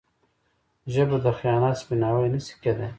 ژبه د خیانت سپیناوی نه شي کېدای.